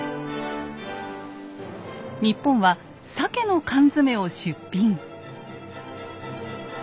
日本はサケの缶詰を出品。